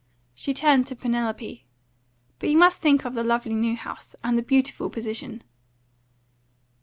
She turned to Penelope. "But you must think of the lovely new house, and the beautiful position."